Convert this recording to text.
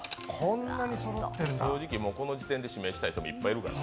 正直、この時点で指名したい人もいっぱいいるから。